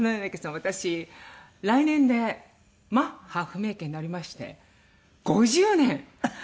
私来年でマッハ文朱になりまして５０年！